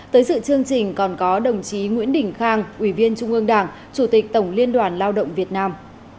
tới sự chương trình còn có đồng chí nguyễn đình khang ủy viên trung ương đảng chủ tịch tổng liên đoàn lao động việt nam